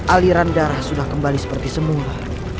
aliran darah sudah kembali seperti semula